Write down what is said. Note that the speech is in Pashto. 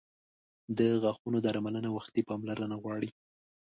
• د غاښونو درملنه وختي پاملرنه غواړي.